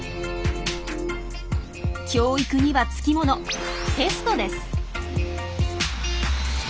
教育にはつきものテストです。